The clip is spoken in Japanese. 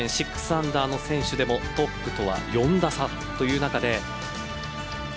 ６アンダーの選手でもトップとは４打差という中で。